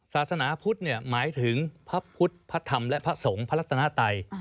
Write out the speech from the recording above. ศาสนาพุทธหมายถึงพระพุทธพระธรรมและพระสงฆ์พระรัตนาไตย